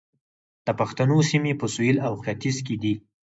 د پښتنو سیمې په سویل او ختیځ کې دي